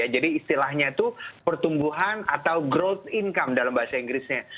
jadi istilahnya itu pertumbuhan atau growth income dalam bahasa inggrisnya